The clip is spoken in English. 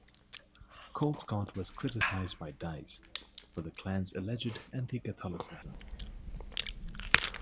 Colescott was criticized by Dies for the Klan's alleged anti-Catholicism.